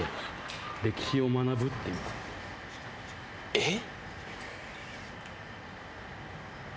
えっ？